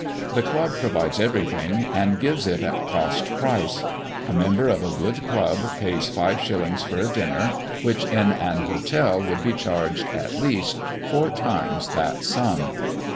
The club provides everything, and gives it at cost price; a member of a good club pays five shillings for a dinner, which in an hotel would be charged, at least, four times that sum.